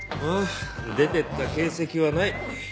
出てった形跡はない。